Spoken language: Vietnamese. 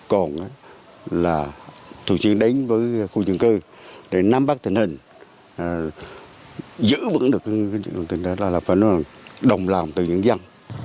còn là thường xuyên đánh với khu dân cư để nắm bắt tình hình giữ vững được cái chuyện tùng tra đó là phải nói là đồng làm từ những dân